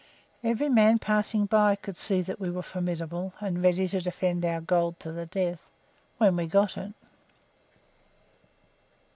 Every man passing by could see that we were formidable, and ready to defend our gold to the death when we got it.